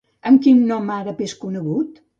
Amb quin nom àrab és conegut?